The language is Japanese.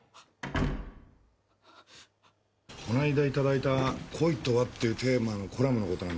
この間いただいた「恋とは？」っていうテーマのコラムのことなんですけどね。